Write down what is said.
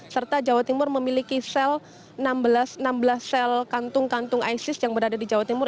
serta jawa timur memiliki sel enam belas sel kantung kantung isis yang berada di jawa timur